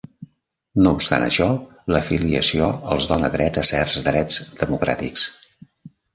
No obstant això, l'afiliació els dona dret a certs drets democràtics.